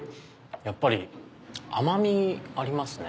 やっぱり甘みありますね。